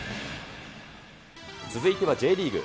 続いてはＪリーグ。